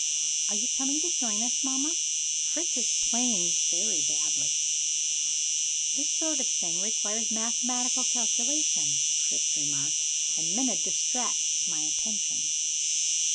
"Are you coming to join us, mamma? Fritz is playing very badly." "This sort of thing requires mathematical calculation," Fritz remarked; "and Minna distracts my attention."